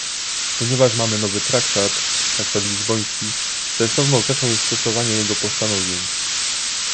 Ponieważ mamy nowy traktat, traktat lizboński, sensowną rzeczą jest stosowanie jego postanowień